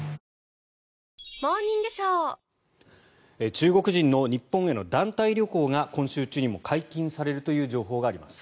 中国人の日本への団体旅行が今週中にも解禁されるという情報があります。